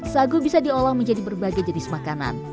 sagu bisa diolah menjadi berbagai jenis makanan